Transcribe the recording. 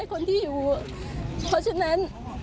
คนที่อยู่เพราะฉะนั้น